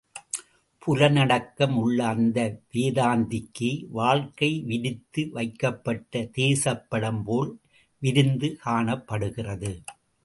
புலனடக்கம் உள்ள அந்த வேதாந்திக்கு வாழ்க்கை விரித்து வைக்கப்பட்ட தேசப்படம் போல் விரிந்து காணப்படுகிறது.